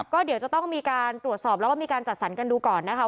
ก็เดี๋ยวจะต้องมีการตรวจสอบแล้วก็มีการจัดสรรกันดูก่อนนะคะ